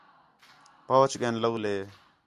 پہچ ڳین لَولے